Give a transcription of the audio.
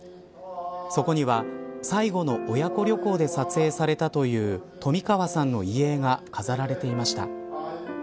そこには、最後の親子旅行で撮影されたという冨川さんの遺影が飾られていました。